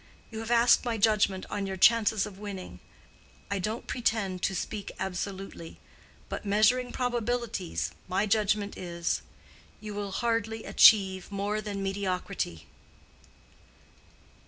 You have asked my judgment on your chances of winning. I don't pretend to speak absolutely; but measuring probabilities, my judgment is:—you will hardly achieve more than mediocrity."